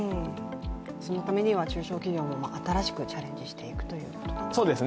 そのためには中小企業も新しくチャレンジしていくということですね。